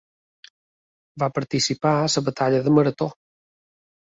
Va participar en la batalla de Marató.